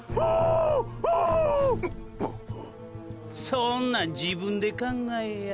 そんなん自分で考えや。